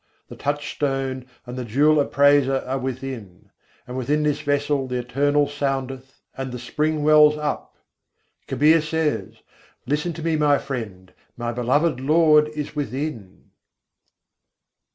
The touchstone and the jewel appraiser are within; And within this vessel the Eternal soundeth, and the spring wells up. Kabîr says: "Listen to me, my Friend! My beloved Lord is within."